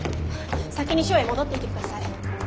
先に署へ戻っていて下さい。